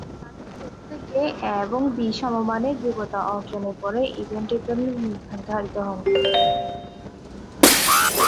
তাদের প্রত্যেকেই "এ" এবং "বি" সমমানের যোগ্যতা অর্জনের পরেই ইভেন্টের জন্য নির্বাচিত হন।